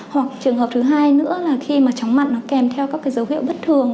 hoặc trường hợp thứ hai nữa là khi mà chóng mặt nó kèm theo các cái dấu hiệu bất thường